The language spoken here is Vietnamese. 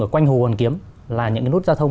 ở quanh hồ hoàn kiếm là những cái nút giao thông